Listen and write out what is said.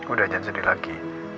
udah jangan sedih lagi